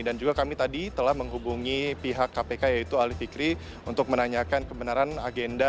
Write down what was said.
dan juga kami tadi telah menghubungi pihak kpk yaitu ali fikri untuk menanyakan kebenaran agenda